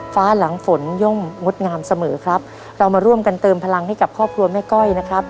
ฟ้าหลังฝนย่อมงดงามเสมอครับเรามาร่วมกันเติมพลังให้กับครอบครัวแม่ก้อยนะครับ